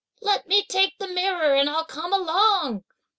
"Let me take the mirror and I'll come along."